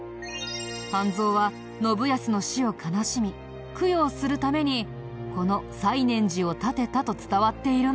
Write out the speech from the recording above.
半蔵は信康の死を悲しみ供養するためにこの西念寺を建てたと伝わっているんだ。